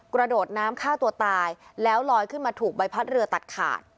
กระโดดน้ำฆ่าตัวตายแล้วลอยขึ้นมาถูกใบพัดเรือตัดขาด